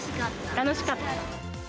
楽しかった。